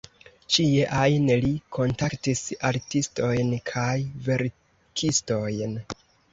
Ĉie ajn li kontaktis artistojn kaj verkistojn.